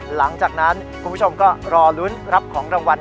หลังจากนั้นคุณผู้ชมก็รอลุ้นรับของรางวัล